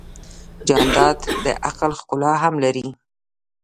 جانداد د عقل ښکلا هم لري.